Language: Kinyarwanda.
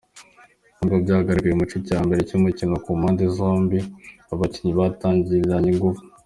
Nkuko byagaragaye mu gice cya mbere cy’umukino, ku mpande zombie, abakinnyi batangiranye ingufu .